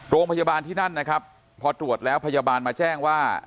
โรงพยาบาลที่นั่นนะครับพอตรวจแล้วพยาบาลมาแจ้งว่า